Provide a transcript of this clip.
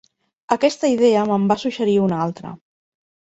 Aquesta idea me'n va suggerir una altra.